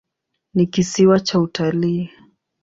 Ni kisiwa cha utalii.